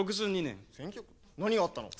１９６２年何があったの？